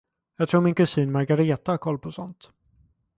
Jag tror min kusin Margareta har koll på sånt.